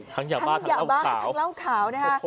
ทั้งยาบ้านทั้งเหล้าขาว